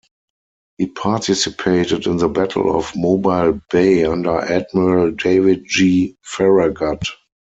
He participated in the Battle of Mobile Bay under Admiral David G. Farragut.